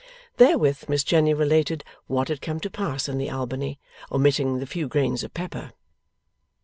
Therewith Miss Jenny related what had come to pass in the Albany, omitting the few grains of pepper.